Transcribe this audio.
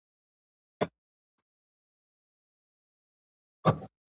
دښمن ته به ماته ورغلې وه.